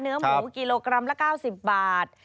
เนื้อหมูกิโลกรัมละ๙๐บาท